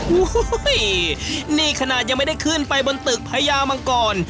โอ้โหนี่ขนาดยังไม่ได้ขึ้นไปบนตึกพญามังกร